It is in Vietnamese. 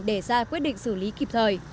để ra quyết định xử lý kịp thời